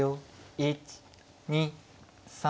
１２３。